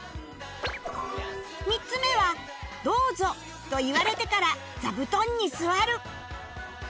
３つ目は「どうぞ」と言われてから座布団に座る